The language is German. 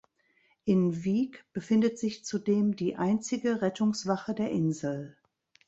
In Wyk befindet sich zudem die einzige Rettungswache der Insel.